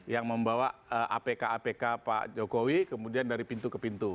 yang membawa apk apk pak jokowi kemudian dari pintu ke pintu